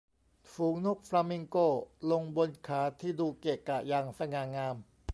ฝูงนกฟลามิงโกลงบนขาที่ดูเกะกะอย่างสง่างาม